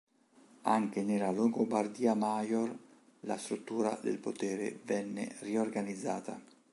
Anche nella Langobardia Maior la struttura del potere venne riorganizzata.